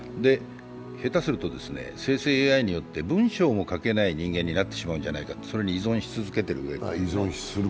下手すると、生成ＡＩによって文章も書けない人間になってしまうんじゃないかと、それに依存し続けていると。